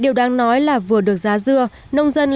điều đáng nói là vừa được giá dưa